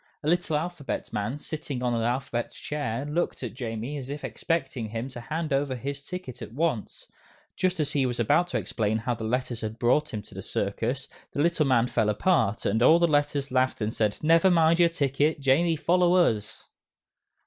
A little Alphabet Man sitting on an Alphabet Chair looked at Jamie as if expecting him to hand over his ticket at once. Just as he was about to explain how the Letters had brought him to the circus, the little man fell apart, and all the Letters laughed and said, "Never mind your ticket, Jamie follow us!"